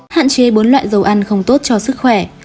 hạn chế bốn loại dầu ăn không tốt cho sức khỏe